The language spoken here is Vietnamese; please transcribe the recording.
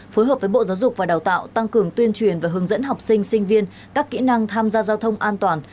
phối hợp với bộ giáo dục và đào tạo tăng cường tuyên truyền và hướng dẫn học sinh sinh viên các kỹ năng tham gia giao thông an toàn